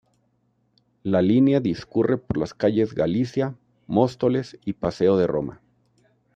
La línea discurre por las calles Galicia, Móstoles y Paseo de Roma.